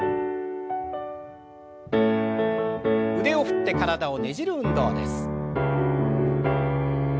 腕を振って体をねじる運動です。